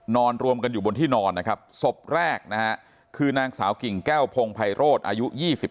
รวมกันอยู่บนที่นอนนะครับศพแรกนะฮะคือนางสาวกิ่งแก้วพงภัยโรธอายุ๒๓